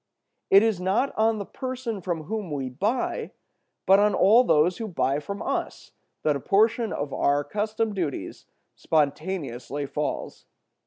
It is not on the person from whom we buy, but on all those who buy from us, that a portion of our custom duties spontaneously falls.